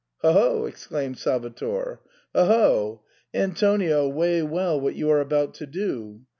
" Ho ! ho !" exclaimed Salvator, " Ho ! ho ! Anto nio, weigh well what you are about to do.